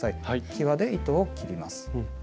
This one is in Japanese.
きわで糸を切ります。